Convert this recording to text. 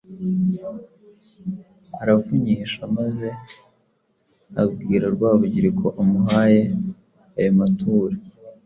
aravunyisha maze abwira Rwabugili ko amuhaye ayo mature